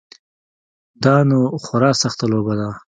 دا نو خورا سخته لوبه ده.